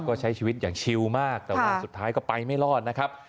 ก็ใช้ชีวิตอย่างชิวมากแต่ว่าสุดท้ายก็ไปไม่รอดนะครับ